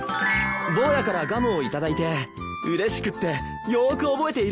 坊やからガムを頂いてうれしくってよーく覚えているんです。